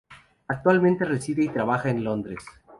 Actualmente reside y trabaja en Londres.